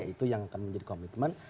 itu yang akan menjadi komitmen